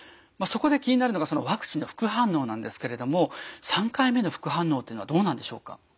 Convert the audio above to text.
そこで気になるのがワクチンの副反応なんですけれども３回目の副反応というのはどうなんでしょうか？